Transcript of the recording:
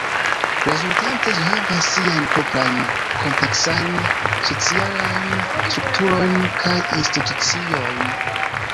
Rezultante ĝi havas siajn proprajn kompleksajn socialajn strukturojn kaj instituciojn.